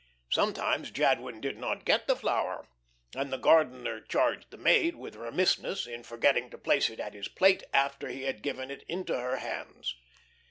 Sometimes Jadwin did not get the flower, and the gardener charged the maid with remissness in forgetting to place it at his plate after he had given it into her hands.